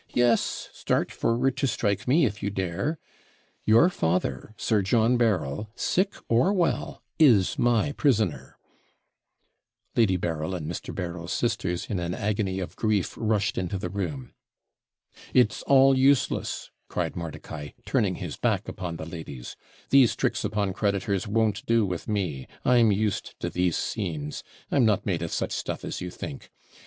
Yes start forward to strike me, if you dare your father, Sir John Berryl, sick or well, is my prisoner.' Lady Berryl and Mr. Berryl's sisters, in an agony of grief, rushed into the room. 'It's all useless,' cried Mordicai, turning his back upon the ladies; 'these tricks upon creditors won't do with me; I'm used to these scenes; I'm not made of such stuff as you think.